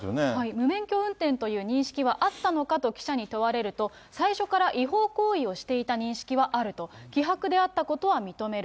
無免許運転という認識はあったのかと記者に問われると、最初から違法行為をしていた認識はあると、希薄であったことは認める。